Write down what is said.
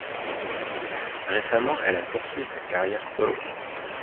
Récemment, elle a poursuit sa carrière solo.